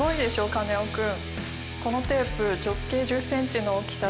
カネオくん。